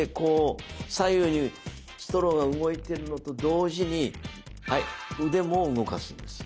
左右にストローが動いてるのと同時にはい腕も動かすんです。